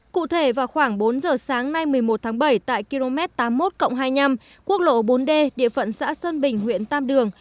cụ thể vào khoảng bốn giờ sáng nay một mươi một tháng bảy tại km tám mươi một hai mươi năm quốc lộ bốn d địa phận xã sơn bình huyện tam đường